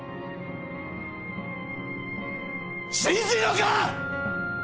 信じぬのか！